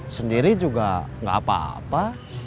sendiri juga nggak apa apa